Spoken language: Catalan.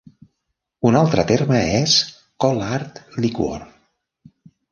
Un altre terme és collard liquor.